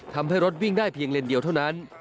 ทำให้รถวิ่งได้เพียงเลนเดียวเท่านั้น